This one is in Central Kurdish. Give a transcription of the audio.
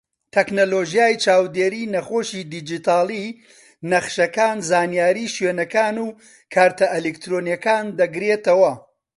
تەکنەلۆژیای چاودێری نەخۆشی دیجیتاڵی، نەخشەکان، زانیاری شوێنەکان و کارتە ئەلیکترۆنیەکان دەگرێتەوە.